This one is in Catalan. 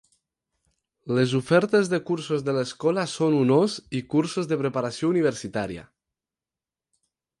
Les ofertes de cursos de l'escola són honors i cursos de preparació universitària.